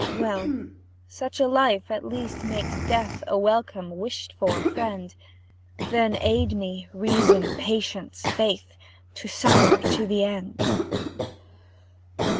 Well, such a life at least makes Death A welcome, wished for friend; Then, aid me, Reason, Patience, Faith, To suffer to the end!